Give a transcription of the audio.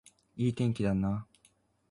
いい天気だな